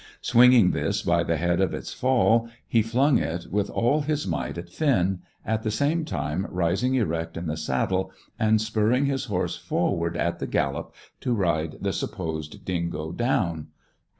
Swinging this by the head of its fall, he flung it with all his might at Finn, at the same time rising erect in the saddle and spurring his horse forward at the gallop to ride the supposed dingo down.